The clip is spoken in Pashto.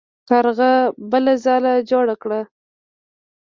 کارغه بله ځاله جوړه کړه.